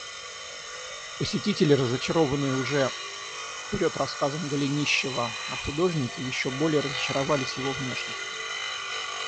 Посетители, разочарованные уже вперед рассказом Голенищева о художнике, еще более разочаровались его внешностью.